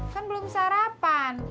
kan belum sarapan